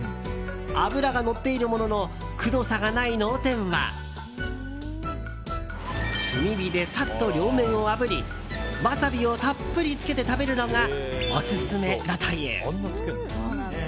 脂がのっているもののくどさがない脳天は炭火でサッと両面をあぶりわさびをたっぷりつけて食べるのがオススメだという。